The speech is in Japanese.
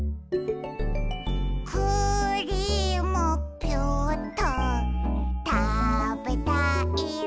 「クリームピューっとたべたいな」